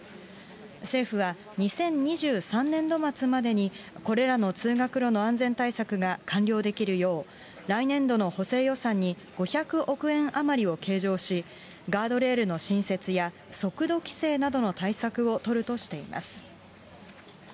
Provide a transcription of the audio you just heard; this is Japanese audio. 政府は、２０２３年度末までに、これらの通学路の安全対策が完了できるよう、来年度の補正予算に５００億円余りを計上し、ガードレールの新設や、速度規制などの対策を取るとしています。